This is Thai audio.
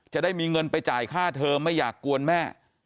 จะได้มีเงินไปจ่ายค่าเทอมไม่อยากกวนแม่